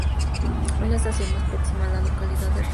Es la estación más próxima a la localidad de Riaño.